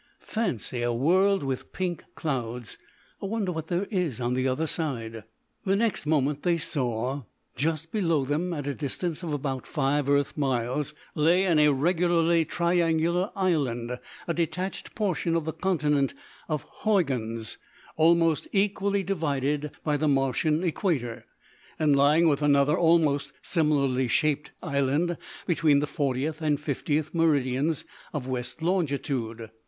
"Fancy a world with pink clouds! I wonder what there is on the other side." The next moment they saw. Just below them at a distance of about five earth miles lay an irregularly triangular island, a detached portion of the Continent of Huygens almost equally divided by the Martian Equator, and lying with another almost similarly shaped island between the fortieth and the fiftieth meridians of west longitude.